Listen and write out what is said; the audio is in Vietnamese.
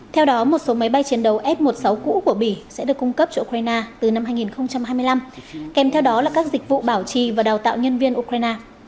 theo đó một số máy bay chiến đấu f một mươi sáu cũ của bỉ sẽ được cung cấp cho ukraine từ năm hai nghìn hai mươi năm kèm theo đó là các dịch vụ bảo trì và đào tạo nhân viên ukraine